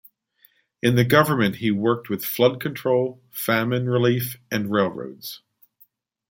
In the government he worked with flood control, famine relief, and railroads.